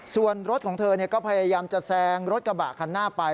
ส่วนรถของเธอก็พยายามจะแซงรถกระบะคันหน้าไป